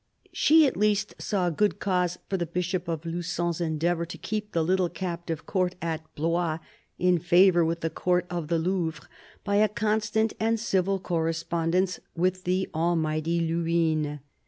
She, at least, saw good cause for the Bishop of Luzon's endeavour .to keep the little captive Court at Blois in favour with the Court of the Louvre by a constant and civil correspondence with the almighty Luynes.